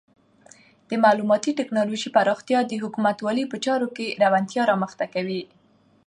د معلوماتي ټکنالوژۍ پراختیا د حکومتولۍ په چارو کې روڼتیا رامنځته کوي.